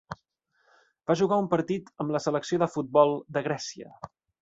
Va jugar un partit amb la selecció de futbol de Grècia.